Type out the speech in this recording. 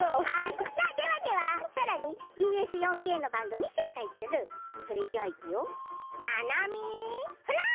さらにＢＳ４Ｋの番組を紹介するそれじゃあ、いくよー！